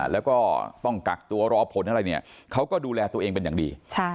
แล้วก็ต้องกักตัวรอผลอะไรเนี่ยเขาก็ดูแลตัวเองเป็นอย่างดี